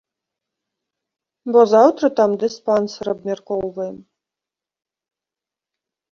Бо заўтра там дыспансер абмяркоўваем.